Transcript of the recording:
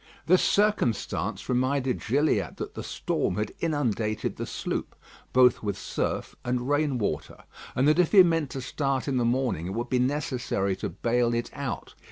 This circumstance reminded Gilliatt that the storm had inundated the sloop, both with surf and rain water, and that if he meant to start in the morning, it would be necessary to bail it out.